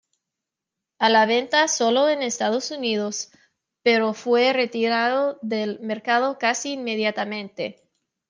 A la venta solo en Estados Unidos, pero fue retirado del mercado casi inmediatamente.